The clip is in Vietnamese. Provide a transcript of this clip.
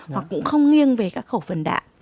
hoặc cũng không nghiêng về các khẩu phần đạm